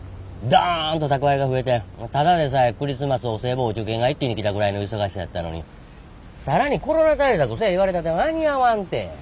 ドンと宅配が増えてただでさえクリスマスお歳暮お中元が一気に来たぐらいの忙しさやったのに更にコロナ対策せぇ言われたって間に合わんて。